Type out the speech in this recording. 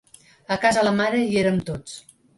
A casa la mare hi érem tots.